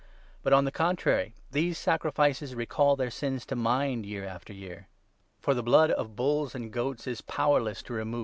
But, on the 3 contrary, these sacrifices recall their sins to mind year after year. For the blood of bulls and goats is powerless to remove 4 » Exod. 34. 8. a* Isa. 53. xa.